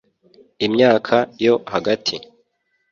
imyaka yo hagati